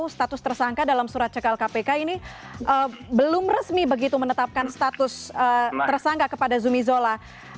status tersangka dalam surat cekal kpk ini belum resmi begitu menetapkan status tersangka kepada zumi zola